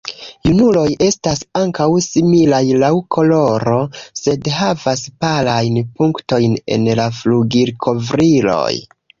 Junuloj estas ankaŭ similaj laŭ koloro, sed havas palajn punktojn en la flugilkovriloj.